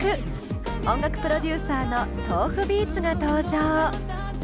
音楽プロデューサーのｔｏｆｕｂｅａｔｓが登場。